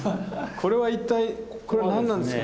これは一体これは何なんですか。